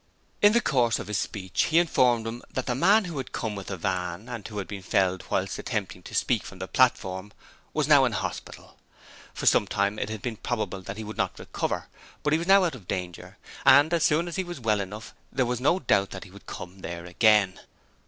In the course of his speech he informed them that the man who had come with the van and who had been felled whilst attempting to speak from the platform was now in hospital. For some time it had been probable that he would not recover, but he was now out of danger, and as soon as he was well enough there was no doubt that he would come there again.